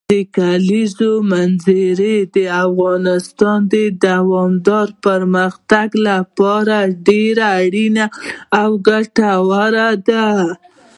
د کلیزو منظره د افغانستان د دوامداره پرمختګ لپاره ډېر اړین او ګټور دی.